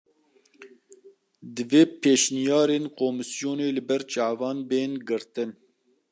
Divê pêşniyarên komîsyonê li ber çavan bên girtin